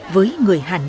với người hàn quốc